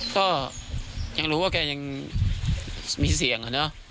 พ่อยังรู้มีเสี่ยง